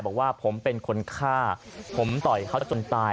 บอกว่าผมเป็นคนฆ่าผมต่อยเขาจะจนตาย